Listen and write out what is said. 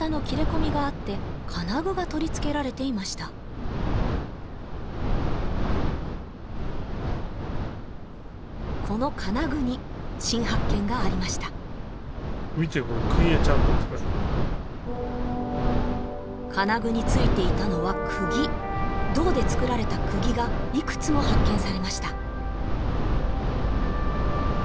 見てこれ金具についていたのは釘銅で作られた釘がいくつも発見されました